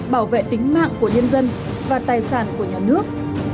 bảo vệ tính mạng của nhân dân và tài sản của nhà nước